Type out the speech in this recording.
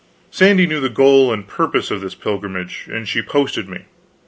Sandy knew the goal and purpose of this pilgrimage, and she posted me.